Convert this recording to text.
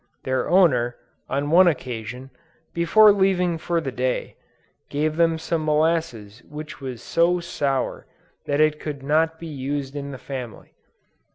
Their owner, on one occasion, before leaving for the day, gave them some molasses which was so sour, that it could not be used in the family.